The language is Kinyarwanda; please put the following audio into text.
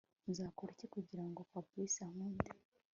nzakoriki kugira ngo Fabric ankunde